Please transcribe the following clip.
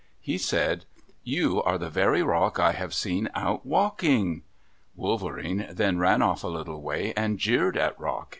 He said, "You are the very Rock I have seen out walking." Wolverene then ran off a little way and jeered at Rock.